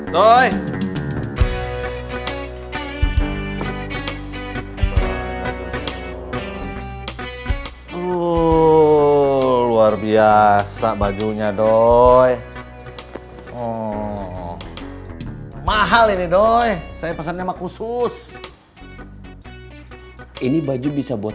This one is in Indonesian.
doi luar biasa bajunya doi mahal ini doi saya pesannya mak khusus ini baju bisa buat